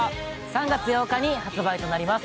「３月８日に発売となります」